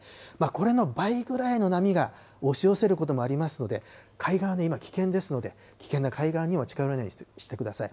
これの倍ぐらいの波が押し寄せることもありますので、海岸は今危険ですので、危険な海岸には近寄らないようにしてください。